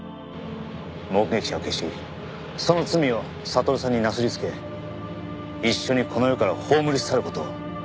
目撃者を消しその罪を悟さんになすり付け一緒にこの世から葬り去る事を。